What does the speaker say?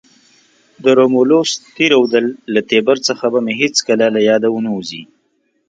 د رومولوس تی رودل له تیبر څخه به مې هیڅکله له یاده ونه وزي.